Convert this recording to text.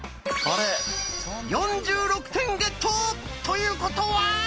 ４６点ゲット！ということは！